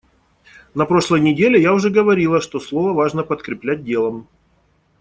На прошлой неделе я уже говорила, что слово важно подкреплять делом.